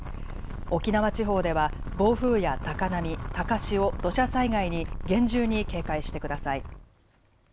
沖縄地方では暴風や高波、高潮、土砂災害に厳重に警戒してください。